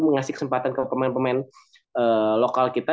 mengasih kesempatan ke pemain pemain lokal kita